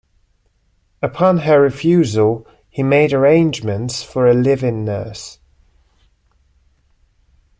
Upon her refusal, he made arrangements for a live-in nurse.